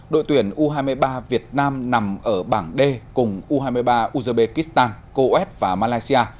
đội tuyển u hai mươi ba việt nam nằm ở bảng d cùng u hai mươi ba uzbekistan kos và malaysia